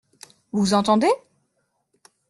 Vous entendez ?